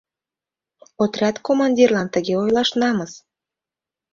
Отряд командирлан тыге ойлаш намыс.